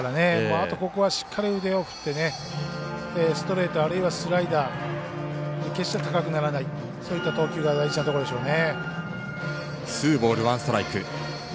あと、ここはしっかり腕を振ってストレート、あるいはスライダー決して高くならないそういった投球が大事なところでしょうね。